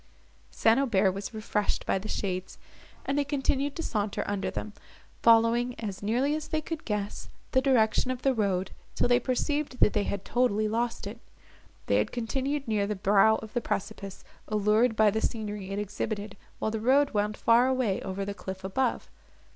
St. Aubert was refreshed by the shades, and they continued to saunter under them, following, as nearly as they could guess, the direction of the road, till they perceived that they had totally lost it. They had continued near the brow of the precipice, allured by the scenery it exhibited, while the road wound far away over the cliff above.